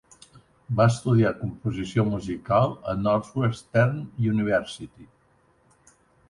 Va estudiar composició musical a Northwestern University.